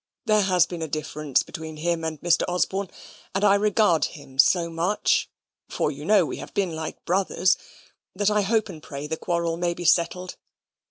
"There has been a difference between him and Mr. Osborne. And I regard him so much for you know we have been like brothers that I hope and pray the quarrel may be settled.